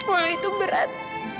walau itu berat